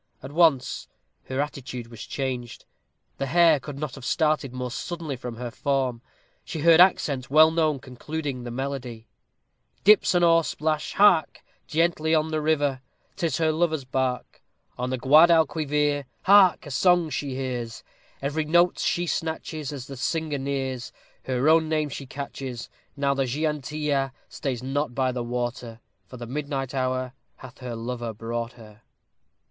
At once her attitude was changed. The hare could not have started more suddenly from her form. She heard accents well known concluding the melody: Dips an oar plash hark! Gently on the river; 'Tis her lover's bark. On the Guadalquivir. Hark! a song she hears! Every note she snatches; As the singer nears, Her own name she catches. Now the Gitanilla Stays not by the water, For the midnight hour Hath her lover brought her.